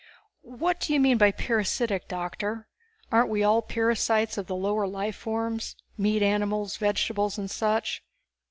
"What do you mean by parasitic, Doctor? Aren't we all parasites of the lower life forms? Meat animals, vegetables and such?"